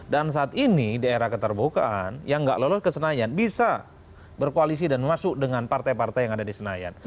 dan saat ini di era keterbukaan yang nggak lulus kesenayan bisa berkoalisi dan masuk dengan partai partai yang ada di senayan